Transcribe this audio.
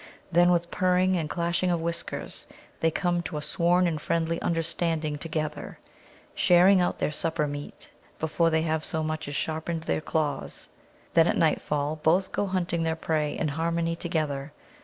Then, with purring and clashing of whiskers, they come to a sworn and friendly understanding together, sharing out their supper meat before they have so much as sharpened their claws. Then at nightfall both go hunting their prey in harmony together.